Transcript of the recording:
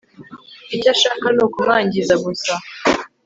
icyo ashaka ni ukumwangiza gusa